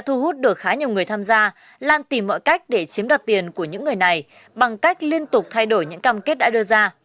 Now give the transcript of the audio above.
thu hút được khá nhiều người tham gia lan tìm mọi cách để chiếm đoạt tiền của những người này bằng cách liên tục thay đổi những cam kết đã đưa ra